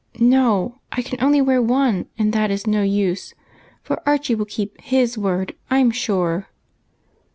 " No, I can only wear one, and that is no use, for Archie will keep his word I 'm sure